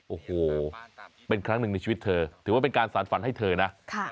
โอ้โหเป็นครั้งหนึ่งในชีวิตเธอถือว่าเป็นการสารฝันให้เธอนะ